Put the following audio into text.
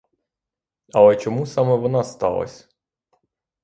Але чому саме вона сталась?